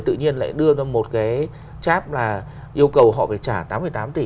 thế tự nhiên lại đưa ra một cái cháp là yêu cầu họ phải trả tám tám tỷ